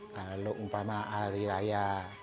kalau umpama hari raya